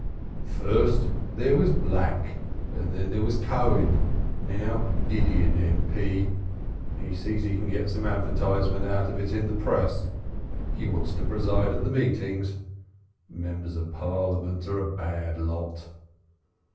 "First there was Black and then there was Cohen now Gideon, M.P., sees he can get some advertisement out of it in the press, he wants to preside at the meetings. Members of Parliament are a bad lot!"